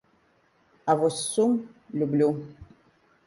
А вось сум люблю.